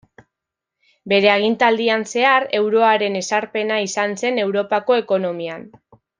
Bere agintaldian zehar Euroaren ezarpena izan zen Europako ekonomian.